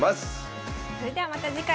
それではまた次回。